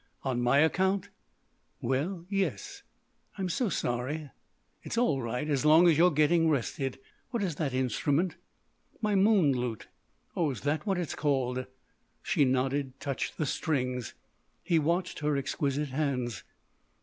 "On my account?" "Well—yes." "I'm so sorry." "It's all right as long as you're getting rested. What is that instrument?" "My moon lute." "Oh, is that what it's called?" She nodded, touched the strings. He watched her exquisite hands.